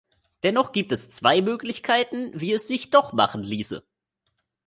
Dennoch gibt es zwei Möglichkeiten, wie es sich doch machen ließe.